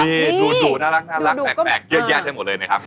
มีดูดู่น่ารักแบกเยอะแยะทุกทุกที่หมดเลยนะครับ